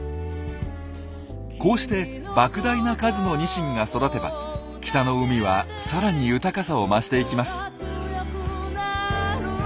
こうしてばく大な数のニシンが育てば北の海はさらに豊かさを増していきます。